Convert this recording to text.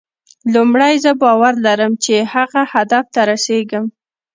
لومړی زه باور لرم چې هغه هدف ته رسېږم.